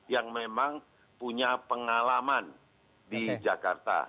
yang memang punya pengalaman di jakarta